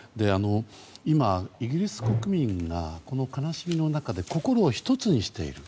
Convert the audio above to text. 今、イギリス国民がこの悲しみの中で心を１つにしている。